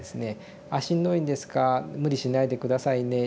「しんどいんですか無理しないで下さいね